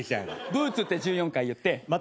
「ブーツ」って１４回言って。